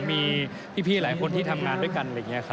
มีพี่หลายคนที่ทำงานด้วยกัน